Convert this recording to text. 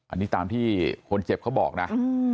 อันนี้ตามที่คนเจ็บเขาบอกนะ